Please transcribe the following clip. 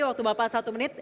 waktu bapak satu menit